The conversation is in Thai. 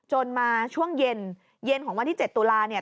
จนมาช่วงเย็นย่นก์วันที่๔๗ตัวลานี่